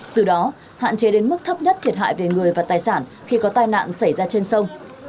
từ đó hạn chế đến mức thấp nhất thiệt hại về người và tài sản khi có tai nạn xảy ra trên sông